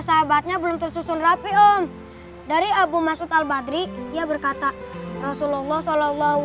sahabatnya belum tersusun rapi om dari abu mas'ud al badri ia berkata rasulullah shallallahu